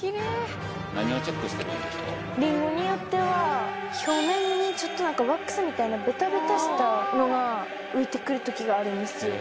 リンゴによっては表面にちょっとワックスみたいなベタベタしたのが浮いて来る時があるんですよ。